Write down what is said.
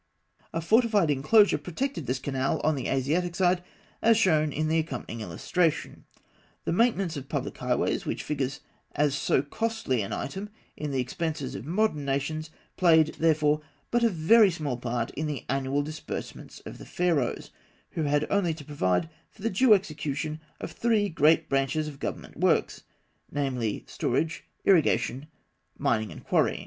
A fortified enclosure protected this canal on the Asiatic side, as shown in the accompanying illustration (fig. 42). The maintenance of public highways, which figures as so costly an item in the expenses of modern nations, played, therefore, but a very small part in the annual disbursements of the Pharaohs, who had only to provide for the due execution of three great branches of government works, namely, storage, irrigation, mining and quarrying.